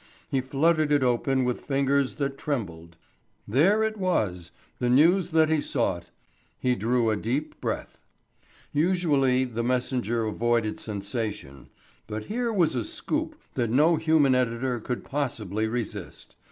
He fluttered it open with fingers that trembled. There it was the news that he sought. He drew a deep breath. Usually The Messenger avoided sensation; but here was a "scoop" that no human editor could possibly resist.